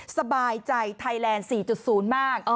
สบายใจไทยแลนด์๔๐มาก